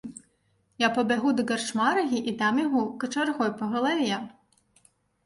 Я пабягу да карчмарыхі і дам яму качаргой па галаве!